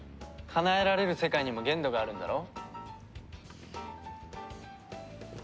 かなえられる世界にも限度があるんだろ？